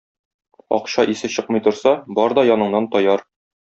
Акча исе чыкмый торса, бар да яныңнан таяр!